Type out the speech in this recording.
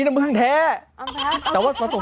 น้ำผึ้งแท้๑๐๐เลย